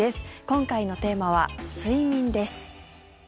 今回のテーマは睡眠です。